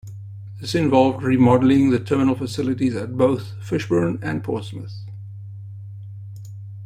This involved remodelling the terminal facilities at both Fishbourne and Portsmouth.